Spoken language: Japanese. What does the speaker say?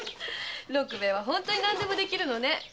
六兵衛は何でもできるのね。